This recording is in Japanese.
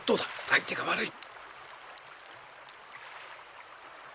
相手が悪い。